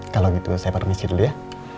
kalau gitu saya permisi dulu ya